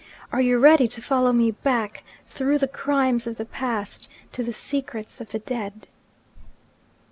Are you ready to follow me back, through the crimes of the past, to the secrets of the dead?'